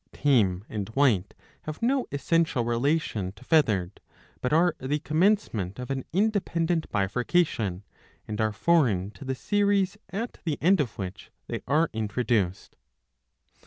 Tame and White have no essential relation to Feathered, but are the commencement of an independent bifurcation, and are foreign to the series at the end of which they are introduced.